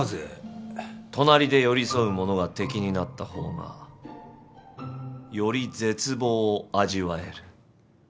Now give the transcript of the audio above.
隣で寄り添う者が敵になった方がより絶望を味わえる。